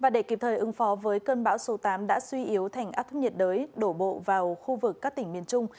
để kịp thời ứng phó với cơn bão số tám đã suy yếu thành áp thấp nhiệt đới đổ bộ vào khu vực các tỉnh miền trung